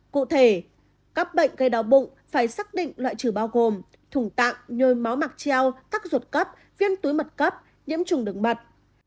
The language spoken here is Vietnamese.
cụ thể các bệnh gây đau bụng phải xác định loại trừ bao gồm thùng tạng nhồi máu mặc treo tắc ruột cấp viên túi mật cấp nhiễm trùng đứng mật